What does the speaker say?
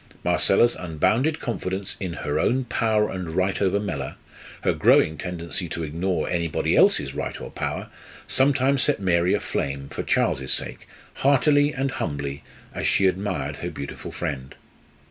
Marcella's unbounded confidence in her own power and right over Mellor, her growing tendency to ignore anybody else's right or power, sometimes set Mary aflame, for Charles's sake, heartily and humbly as she admired her beautiful friend.